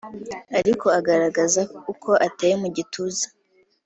ariko agaragaza uko ateye mu gituza